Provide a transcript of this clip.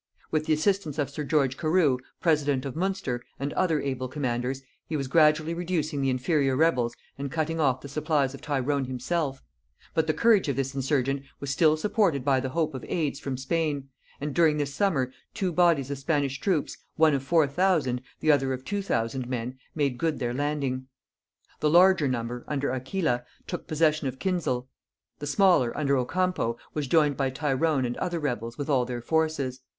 With the assistance of sir George Carew president of Munster, and other able commanders, he was gradually reducing the inferior rebels and cutting off the supplies of Tyrone himself: but the courage of this insurgent was still supported by the hope of aids from Spain; and during this summer two bodies of Spanish troops, one of four thousand, the other of two thousand men, made good their landing. The larger number, under Aquila, took possession of Kinsale; the smaller, under Ocampo, was joined by Tyrone and other rebels with all their forces.